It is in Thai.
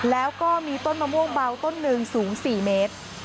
แล้วก็มีต้นมะม่วงเบาต้นหนึ่งสูง๔เมตร